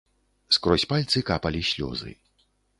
Скрозь пальцы капалі слёзы.